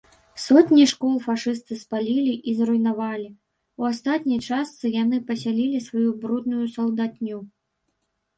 Сотні школ фашысты спалілі і зруйнавалі, у астатняй частцы яны пасялілі сваю брудную салдатню.